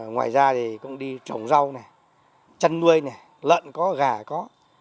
ngoài ra thì cũng đi trồng rau chân nuôi lợn có gà có